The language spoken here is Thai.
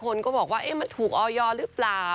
คนก็บอกว่ามันถูกออยหรือเปล่า